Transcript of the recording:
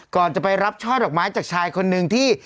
ก่อนจะไปรับช่อดอกไม้จากชายคนนึงที่